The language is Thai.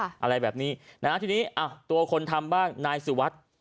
อะไรแบบนี้นะฮะทีนี้อ่ะตัวคนทำบ้างนายสุวัสดิ์